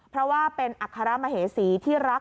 เพราะว่าเป็นอัครมเหสีที่รัก